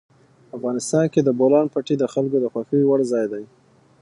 افغانستان کې د بولان پټي د خلکو د خوښې وړ ځای دی.